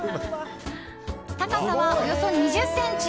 高さは、およそ２０ｃｍ。